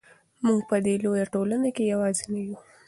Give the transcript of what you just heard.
موږ په دې لویه ټولنه کې یوازې نه یو.